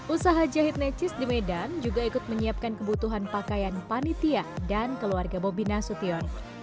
usaha jahit necis di medan juga ikut menyiapkan kebutuhan pakaian panitia dan keluarga bobi nasution